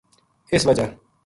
اس وجہ